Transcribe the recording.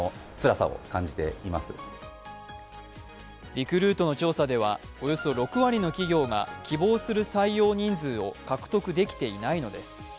リクルートの調査では、およそ６割の企業が希望する採用人数を獲得できていないのです。